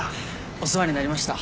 お世話になりました。